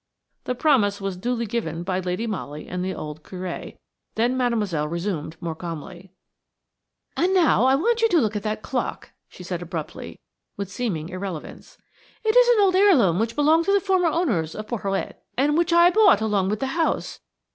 The promise was duly given by Lady Molly and the old Curé, then Mademoiselle resumed more calmly: "And now I want you to look at that clock," she said abruptly, with seeming irrelevance. "It is an old heirloom which belonged to the former owners of Porhoët, and which I bought along with the house.